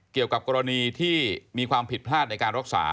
เกี่ยวกับกรณีที่มีความผิดพลาดในการรักษา